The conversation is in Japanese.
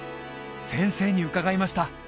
先生に伺いました